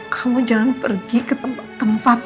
kamu jangan pergi ke tempat